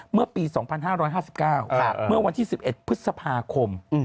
เมื่อปี๒๕๕๙เมื่อวันที่๑๑พฤษภาคม